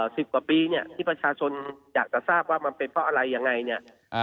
สิบกว่าปีเนี่ยที่ประชาชนอยากจะทราบว่ามันเป็นเพราะอะไรยังไงเนี่ย